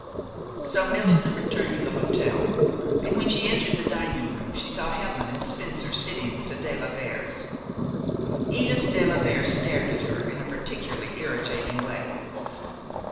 So Millicent returned to the hotel, and when she entered the dining room she saw Helen and Spencer sitting with the de la Veres. Edith de la Vere stared at her in a particularly irritating way.